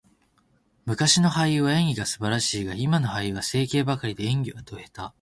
昔の俳優は演技が素晴らしいが、今の俳優は整形ばかりで、演技はド下手。